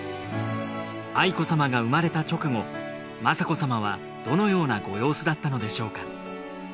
愛子さまが生まれた直後雅子さまはどのようなご様子だったのでしょうか？